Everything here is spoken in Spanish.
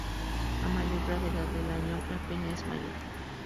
A mayor gravedad del daño la pena es mayor.